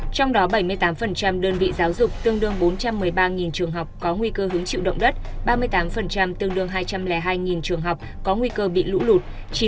trong đó bảy mươi tám đơn vị giáo dục tương đương bốn trăm một mươi ba trường học có nguy cơ hứng chịu động đất ba mươi tám tương đương hai trăm linh hai trường học có nguy cơ bị lũ lụt